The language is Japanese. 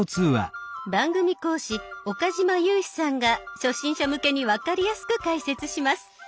番組講師岡嶋裕史さんが初心者向けに分かりやすく解説します。